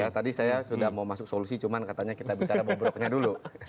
tadi saya sudah mau masuk solusi cuma katanya kita bicara bobroknya dulu